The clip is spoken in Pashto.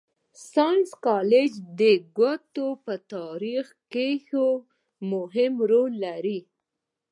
ساینس کالج د کوټي په تارېخ کښي مهم رول لري.